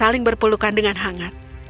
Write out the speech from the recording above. saling berpelukan dengan hangat